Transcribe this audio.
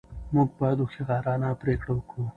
موږ باید هوښیارانه پرېکړې وکړو.